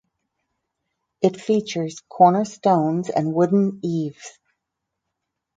It features corner stones and wooden eaves.